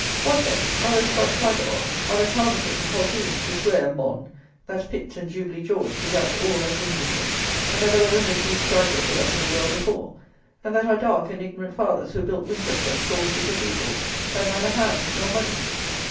What, then, are there Scotch vagabonds; are there Chalmerses and Colquhounds, to swear, "mon," that Pitt and Jubilee George begat all us Englishmen; and that there were only a few stragglers of us in the world before! And that our dark and ignorant fathers, who built Winchester and Salisbury Cathedrals, had neither hands nor money!